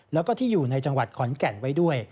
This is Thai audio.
แล้วก็ที่อยู่ในจังหวัดขอนแก่นไว้ด้วย